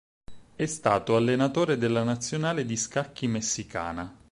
È stato allenatore della nazionale di scacchi messicana.